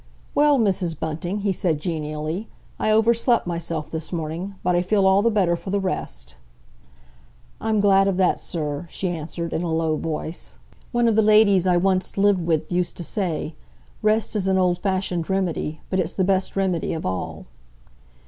"Well, Mrs. Bunting," he said genially, "I overslept myself this morning, but I feel all the better for the rest." "I'm glad of that, sir," she answered, in a low voice. "One of the ladies I once lived with used to say, 'Rest is an old fashioned remedy, but it's the best remedy of all.